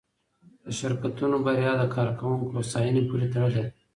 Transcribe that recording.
د شرکتونو بریا د کارکوونکو هوساینې پورې تړلې ده.